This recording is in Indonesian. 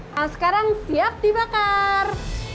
nah sekarang siap dibakar